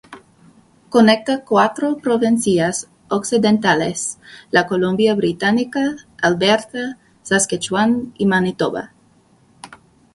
Conecta cuatro provincias occidentales: la Columbia Británica, Alberta, Saskatchewan y Manitoba.